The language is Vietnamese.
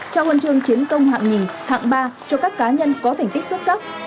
trao huân chương chiến công hạng hai hạng ba cho các cá nhân có thành tích xuất sắc